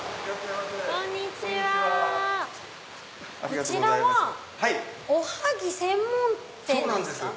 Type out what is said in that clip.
こちらはおはぎ専門店ですか？